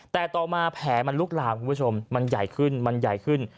แต่ต่อมาแผลมันลุกลามันใหญ่ขึ้น